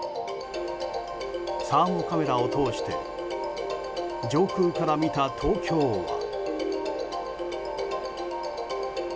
サーモカメラを通して上空から見た東京は。